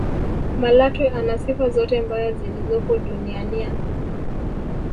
malatwe ana sifa zote mbaya zilizopo duniania